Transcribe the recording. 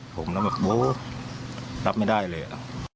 ผมแบบโว้รับไม่ได้เลย